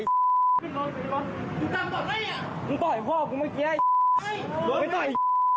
มึงต่อยพ่อกูเมื่อกี้